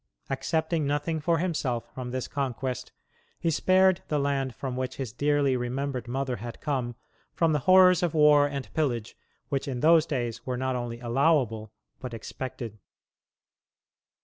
Accepting nothing for himself from this conquest, he spared the land from which his dearly remembered mother had come from the horrors of war and pillage which in those days were not only allowable but expected.